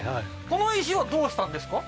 この石はどうしたんですか？